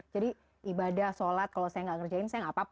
jadi ibadah sholat kalau saya gak ngerjain saya gak apa apa